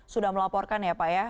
sudah melaporkan ya pak ya